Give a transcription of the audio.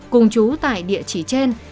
cùng trú tại địa chỉ trên